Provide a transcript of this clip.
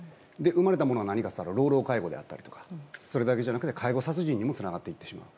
生まれたものは何かと言ったら老老介護だったりそれだけじゃなくて介護殺人にもつながってしまう。